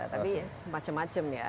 tapi macam macam ya